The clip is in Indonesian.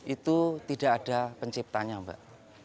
itu tidak ada penciptanya mbak